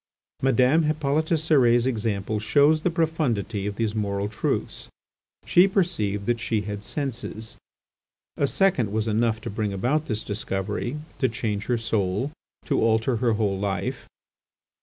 Madame Hippolyte Cérès' example shows the profundity of these moral truths. She perceived that she had senses. A second was enough to bring about this discovery, to change her soul, to alter her whole life.